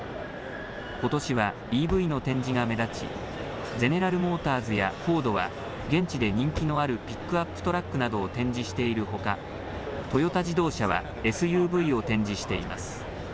ことしはＥＶの展示が目立ちゼネラル・モーターズやフォードは現地で人気のあるピックアップトラックなどを展示しているほかトヨタ自動車はＳＵＶを展示しています。